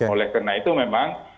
oleh karena itu memang